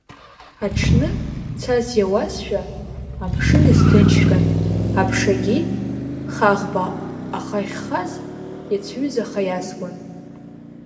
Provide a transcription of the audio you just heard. Аҽны, цас иауазшәа, амшын иазҭынчран, аԥшагьы хаӷба ахы ахьхаз иацҩызаха иасуан.